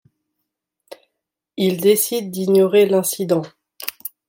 Il décide d'ignorer l'incident.